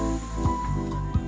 mereka juga berpikir